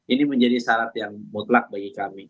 ini menjadi syarat yang mutlak bagi kami